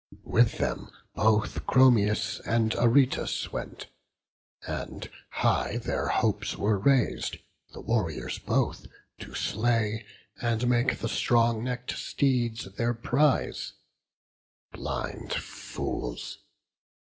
With them both Chromius and Aretus went; And high their hopes were rais'd, the warriors both To slay, and make the strong neck'd steeds their prize: Blind fools!